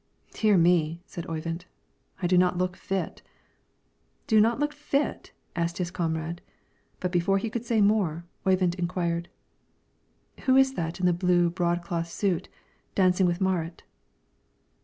"Dear me!" said Oyvind, "I do not look fit." "Do not look fit?" cried his comrade; but before he could say more, Oyvind inquired, "Who is that in the blue broadcloth suit, dancing with Marit?"